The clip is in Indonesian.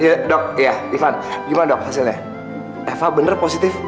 ya dok ya ivan gimana dok hasilnya eva bener positif